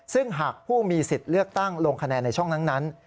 ซึ่งหากผู้มีสิทธิ์เลือกตั้งลงคะแนนในช่องนั้น